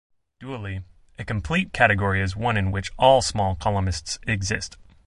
Dually, a cocomplete category is one in which all small colimits exist.